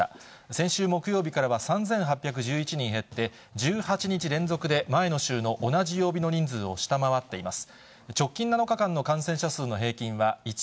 先週木曜日からは３８１１人減って、１８日連続で前の週の同じ曜日の人数を下回っています。